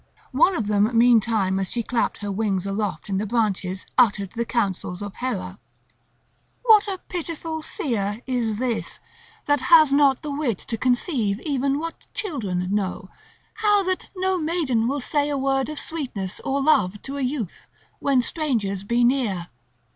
One of them meantime as she clapped her wings aloft in the branches uttered the counsels of Hera: "What a pitiful seer is this, that has not the wit to conceive even what children know, how that no maiden will say a word of sweetness or love to a youth when strangers be near.